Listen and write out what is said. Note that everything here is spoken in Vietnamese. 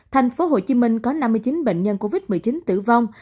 thành phố hồ chí minh có năm mươi chín bệnh nhân covid một mươi chín tử vong